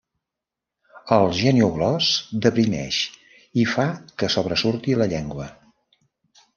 El genioglòs deprimeix i fa que sobresurti la llengua.